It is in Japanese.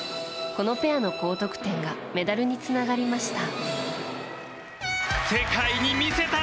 このペアの高得点がメダルにつながりました。